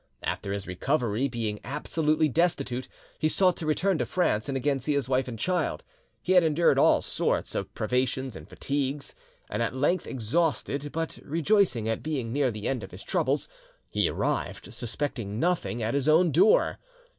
After his recovery, being absolutely destitute, he sought to return to France and again see his wife and child: he had endured all sorts of privations and fatigues, and at length, exhausted, but rejoicing at being near the end of his troubles, he arrived, suspecting nothing, at his own door.